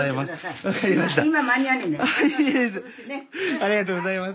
ありがとうございます。